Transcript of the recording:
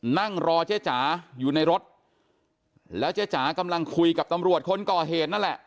นั่งรอเจ๊จ๋าอยู่ในรถแล้วเจ๊จ๋ากำลังคุยกับตำรวจคนก่อเหตุนั่นแหละ